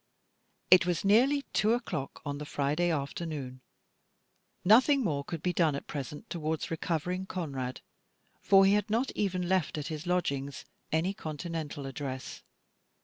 It was nearly two o'clock on the Friday afternoon. Nothing more could be done at present towards recovering Conrad, for he had not even left at his lodgings any Continental address.